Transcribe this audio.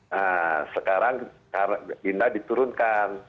nah sekarang benda diturunkan